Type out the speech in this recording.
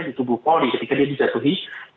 di tubuh polri ketika dia dijatuhi